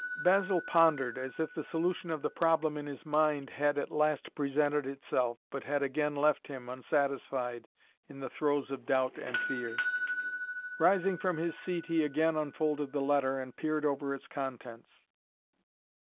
Basil pondered, as if the solution of the problem in his mind had at last presented itself, but had again left him, unsatisfied, in the throes of doubt and fear. Rising from his seat he again unfolded the letter and peered over its contents.